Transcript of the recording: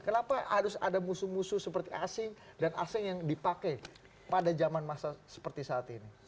kenapa harus ada musuh musuh seperti asing dan asing yang dipakai pada zaman masa seperti saat ini